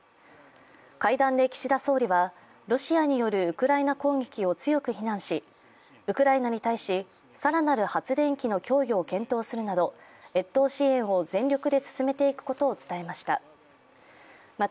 会談で岸田総理は、ロシアによるウクライナ攻撃を強く非難し、ウクライナに対し、更なる発電機の供与を検討するなど越冬支援を全力で進めていくことを伝えました。